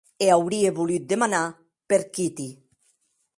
E aurie volut demanar per Kitty.